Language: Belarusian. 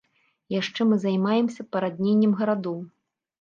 Яшчэ мы займаемся парадненнем гарадоў.